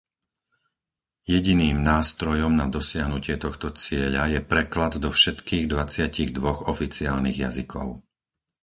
Jediným nástrojom na dosiahnutie tohto cieľa je preklad do všetkých dvadsiatich dvoch oficiálnych jazykov.